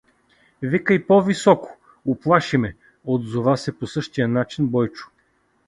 — Викай по-високо, уплаши ме! — отзова се по същия начин Бойчо.